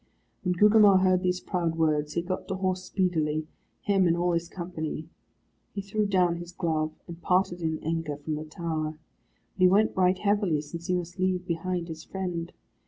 When Gugemar heard these proud words he got to horse speedily, him and all his company. He threw down his glove, and parted in anger from the tower. But he went right heavily, since he must leave behind his friend.